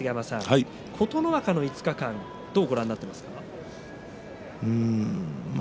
琴ノ若の５日間はどうご覧になっていますか？